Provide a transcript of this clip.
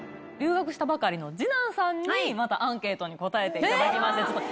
留学したばかりの次男さんに、またアンケートに答えていただきました。